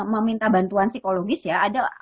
meminta bantuan psikologis ya